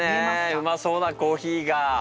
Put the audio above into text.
うまそうなコーヒーが。